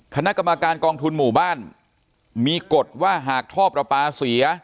คณะกรรมการกองทุนหมู่บ้านมีกฎว่าหากท่อประปาเสีย